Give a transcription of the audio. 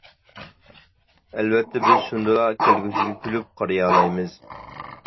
ئەلۋەتتە بىز شۇندىلا كەلگۈسىگە كۈلۈپ قارىيالايمىز.